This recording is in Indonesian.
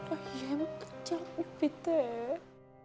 emang kecil nyubit deh